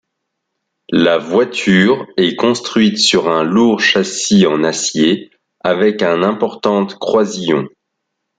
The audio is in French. La voiture est construite sur un lourd châssis en acier avec un importante croisillon.